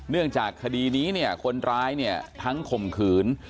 เนื่องจากคดีนี้คนร้ายทั้งข่มขืน